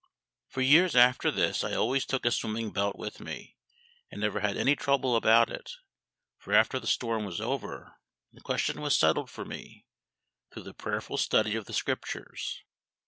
For years after this I always took a swimming belt with me, and never had any trouble about it; for after the storm was over, the question was settled for me, through the prayerful study of the Scriptures.